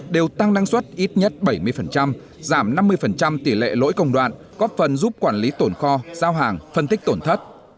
đều tăng năng suất ít nhất bảy mươi giảm năm mươi tỷ lệ lỗi công đoạn góp phần giúp quản lý tổn kho giao hàng phân tích tổn thất